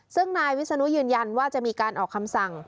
ซึ่งนายวิศนุยืนยันว่าจะมีการออกคำสั่ง